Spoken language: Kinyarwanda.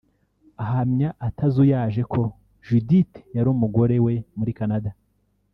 Ahamya atazuyaje ko Judithe yari umugore we muri Canada